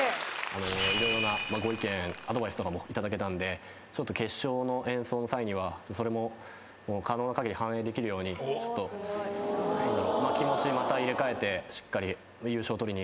色々なご意見アドバイスとかも頂けたんでちょっと決勝の演奏の際にはそれも可能なかぎり反映できるように気持ちまた入れ替えてしっかり優勝取りに。